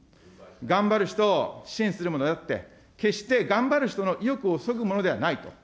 頑張る人を支援するものであって、決して頑張る人の意欲をそぐものではないと。